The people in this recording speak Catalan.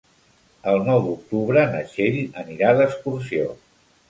El nou d'octubre na Txell anirà d'excursió.